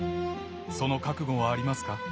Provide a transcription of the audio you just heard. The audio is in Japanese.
その覚悟はありますか？